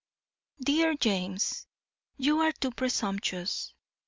DEAR JAMES: You are too presumptuous.